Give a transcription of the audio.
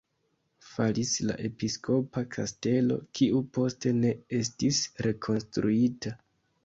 Falis la episkopa kastelo, kiu poste ne estis rekonstruita.